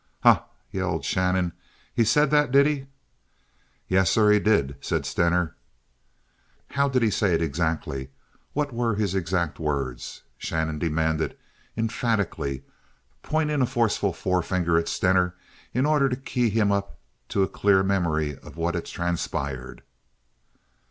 "Ha!" yelled Shannon. "He said that, did he?" "Yes, sir; he did," said Stener. "How did he say it, exactly? What were his exact words?" Shannon demanded, emphatically, pointing a forceful forefinger at Stener in order to key him up to a clear memory of what had transpired.